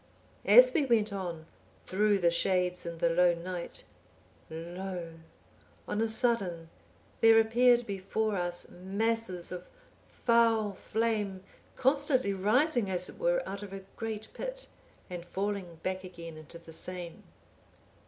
As we went on 'through the shades in the lone night,'(844) lo! on a sudden there appeared before us masses of foul flame constantly rising as it were out of a great pit, and falling back again into the same.